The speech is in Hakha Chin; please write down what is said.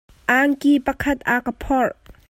Angki pakhat a ka phorh.